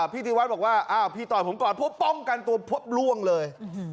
พี่ถิติวัตรบอกว่าพี่ไต่ก่อนพบกันตัวล่วงเลย